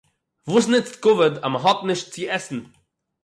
וואָס נוצט כּבֿוד אַז מען האָט ניט צו עסן?